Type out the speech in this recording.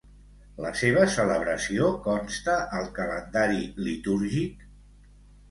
La seva celebració consta al calendari litúrgic?